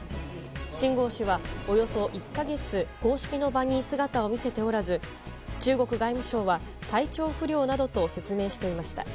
シン・ゴウ氏は、およそ１か月公式の場に姿を見せておらず中国外務省は体調不良などと説明していました。